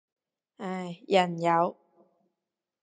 唉，人有